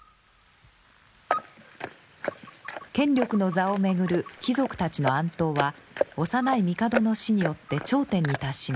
権力の座を巡る貴族たちの暗闘は幼い帝の死によって頂点に達しました。